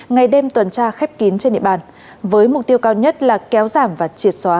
ngày đêm tuần tra khép kín trên địa bàn với mục tiêu cao nhất là kéo giảm và triệt xóa